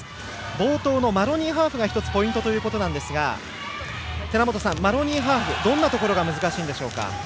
冒頭のマロニーハーフが１つポイントということですが寺本さん、マロニーハーフどんなところが難しいのでしょうか。